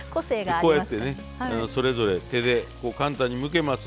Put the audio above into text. こうやってねそれぞれ手で簡単にむけますんで。